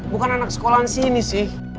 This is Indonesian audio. bukan anak sekolah di sini sih